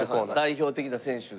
代表的な選手が。